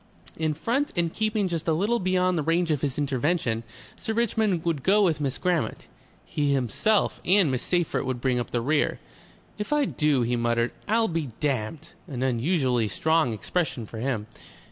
In front and keeping just a little beyond the range of his intervention, Sir Richmond would go with Miss Grammont; he himself and Miss Seyffert would bring up the rear. "If I do," he muttered, "I'll be damned!" an unusually strong expression for him.